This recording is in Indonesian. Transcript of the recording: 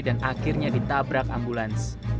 dan akhirnya ditabrak ambulans